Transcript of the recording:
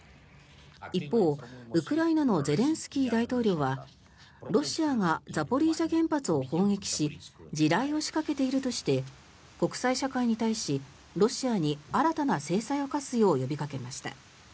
一方、ウクライナのゼレンスキー大統領はロシアがザポリージャ原発を砲撃し地雷を仕掛けているとして国際社会に対しロシアに新たな制裁を科すよう呼びかけました。